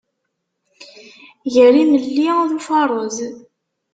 Gar yimelli d ufaṛeẓ.